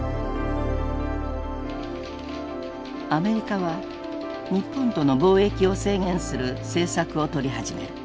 アメリカは日本との貿易を制限する政策をとり始める。